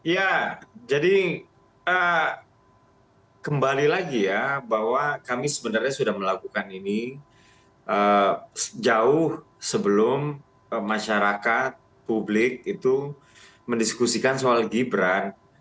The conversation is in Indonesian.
ya jadi kembali lagi ya bahwa kami sebenarnya sudah melakukan ini jauh sebelum masyarakat publik itu mendiskusikan soal gibran